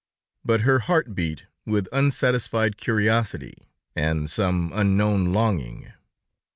But her heart beat with unsatisfied curiosity, and some unknown longing.